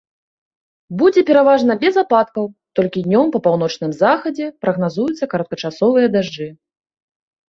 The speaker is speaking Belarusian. Будзе пераважна без ападкаў, толькі днём па паўночным захадзе прагназуюцца кароткачасовыя дажджы.